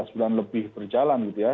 dua belas bulan lebih berjalan gitu ya